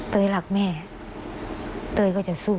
รักแม่เตยก็จะสู้